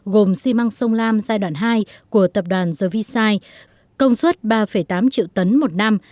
gồm xi măng sông lam giai đoạn hai của tập đoàn gvci công suất ba tám triệu tấn một năm